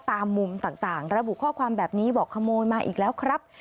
ตามมุมต่างระบุข้อความแบบนี้บอกขโมยมาอีกแล้วครับ